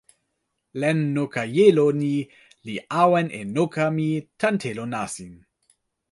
len noka jelo ni li awen e noka mi tan telo nasin.